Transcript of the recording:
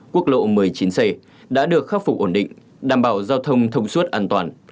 quốc lộ một mươi chín c đã được khắc phục ổn định đảm bảo giao thông thông suốt an toàn